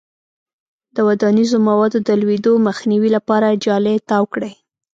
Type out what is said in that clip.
د ودانیزو موادو د لویدو مخنیوي لپاره جالۍ تاو کړئ.